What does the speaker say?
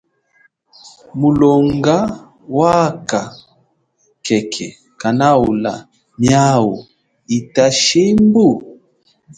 Mulonga wakha khekhe kanaula miawu hita shimbu?